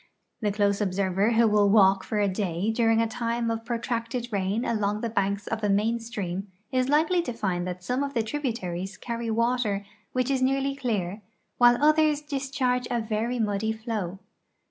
The close observer who will walk for a day during a time of pro tracted rain along the banks of a main stream is likely to fiiul that some of the tributaries carry water which is nearly clear while others discharge a verN' muddy flow.